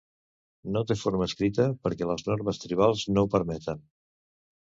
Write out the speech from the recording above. No té forma escrita perquè les normes tribals no ho permeten.